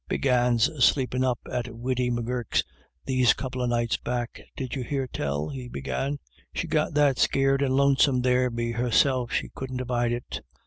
" Big Anne's sleepin' up at Widdy M'Gurk's these couple of nights back, did you hear tell ?" he began. " She got that scared and lonesome there be herself she couldn't abide it."